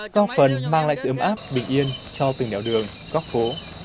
các phần mang lại sự ấm áp bình yên cho từng đều